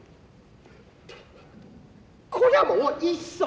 こりゃもう一層。